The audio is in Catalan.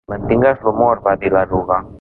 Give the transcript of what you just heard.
"Mantingues l'humor", va dir l'eruga.